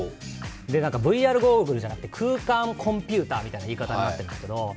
ＶＲゴーグルじゃなくて空間コンピューターみたいな言い方になってるんですけど